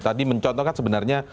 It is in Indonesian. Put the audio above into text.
tadi mencontohkan sebenarnya